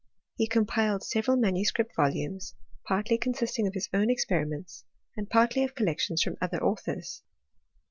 Se compiled several manuscript volumes, partly consisting of his own experiments, and partly of collections from other authors.